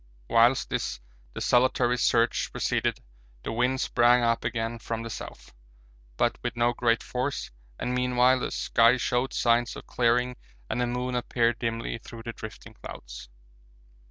Whilst this desultory search proceeded the wind sprang up again from the south, but with no great force, and meanwhile the sky showed signs of clearing and the moon appeared dimly through the drifting clouds.